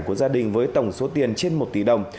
của gia đình với tổng số tiền trên một tỷ đồng